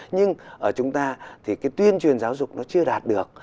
nhưng ở chúng ta thì cái tuyên truyền giáo dục nó chưa đạt được